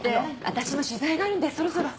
私も取材があるんでそろそろ。